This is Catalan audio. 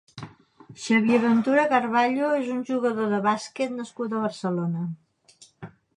Xavier Ventura Carvalho és un jugador de bàsquet nascut a Barcelona.